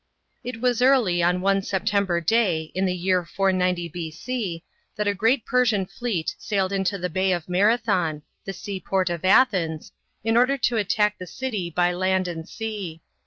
It was early, on one September day, in the year 490 B.C., that a great Persian fleet sailed into the Bay of Marathon, the seaport of Athens, in order to attack the city by land and sea.